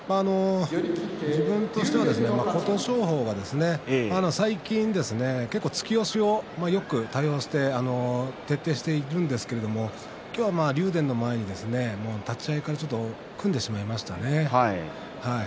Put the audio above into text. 自分としては琴勝峰は最近、結構突き押しを多用して徹底しているんですけれども今日は竜電の前に立ち合いから組んでしまいましたね。